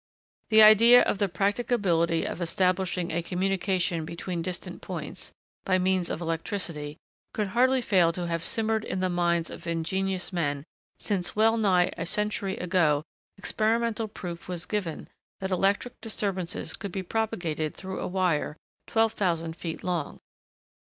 The idea of the practicability of establishing a communication between distant points, by means of electricity, could hardly fail to have simmered in the minds of ingenious men since, well nigh a century ago, experimental proof was given that electric disturbances could be propagated through a wire twelve thousand feet long.